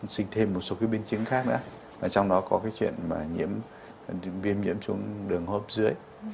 sinh thêm một số cái biến chứng khác nữa là trong đó có cái chuyện mà viêm nhiễm trùng đường hốp dưới